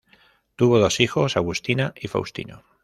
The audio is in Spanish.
Tuvo dos hijos: Agustina y Faustino.